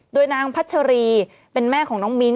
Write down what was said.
โดยนางพัชรีเป็นแม่ของน้องมิ้นท